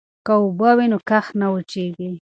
که اوبه وي نو کښت نه وچيږي.